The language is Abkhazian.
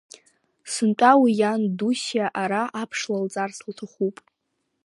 Сынтәа уи иан Дусиа ара аԥш лалҵарц лҭахуп.